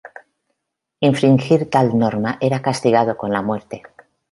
Infringir tal norma era castigado con la muerte.